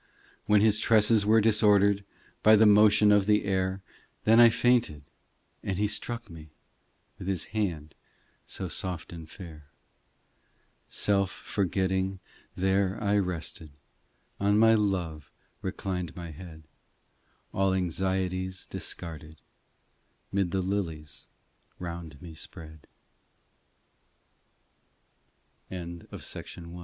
253 254 POEMS When His tresses were disordered By the motion of the air, Then I fainted, and He struck me With His hand so soft and fair. Self forgetting, there I rested On my love reclined my head, All anxieties discarded Mid the lilies round me spr